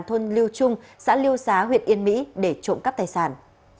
thôn liêu trung xã liêu xá huyện yên mỹ để trộm các tài sản